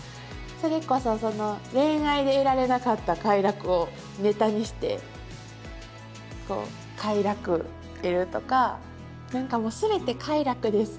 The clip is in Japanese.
それこそ恋愛で得られなかった快楽をネタにして快楽得るとか何かもう全て快楽です。